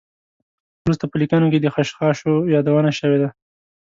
وروسته په لیکنو کې د خشخاشو یادونه شوې ده.